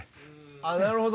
あっなるほど。